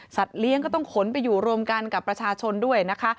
เลี้ยงก็ต้องขนไปอยู่รวมกันกับประชาชนด้วยนะคะ